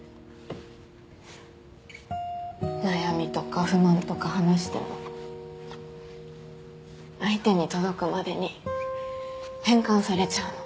悩みとか不満とか話しても相手に届くまでに変換されちゃうの。